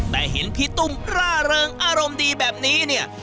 แต่เห็นพี่ตุ้มร่าเริงอารมณ์ดีแบบนี้เนี่ย